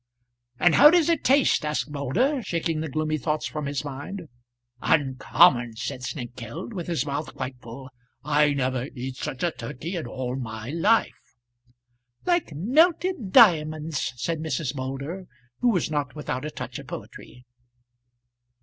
"And how does it taste?" asked Moulder, shaking the gloomy thoughts from his mind. "Uncommon," said Snengkeld, with his mouth quite full. "I never eat such a turkey in all my life." "Like melted diamonds," said Mrs. Moulder, who was not without a touch of poetry.